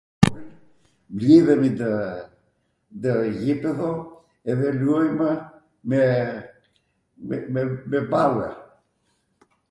mblidhemi ndw ndw jipedho edhe luajmw me me ballw